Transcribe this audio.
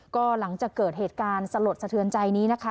ก็หลังจากเกิดเหตุการณ์สลดสะเทือนใจนี้นะคะ